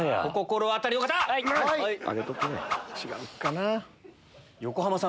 お心当たりの方！